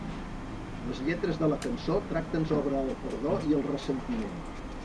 Les lletres de la cançó tracten sobre el perdó i el ressentiment.